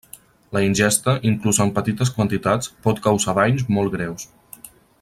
La ingesta, inclús en petites quantitats, pot causar danys molt greus.